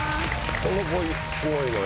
この子すごいのよ。